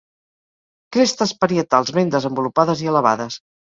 Crestes parietals ben desenvolupades i elevades.